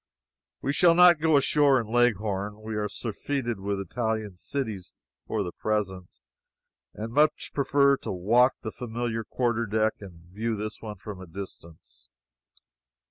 We shall not go ashore in Leghorn. We are surfeited with Italian cities for the present, and much prefer to walk the familiar quarterdeck and view this one from a distance.